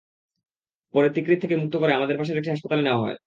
পরে তিকরিত থেকে মুক্ত করে আমাদের পাশের একটি হাসপাতালে নেওয়া হয়।